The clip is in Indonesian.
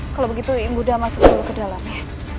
kalau begitu ibu dan masuk dulu ke dalamnya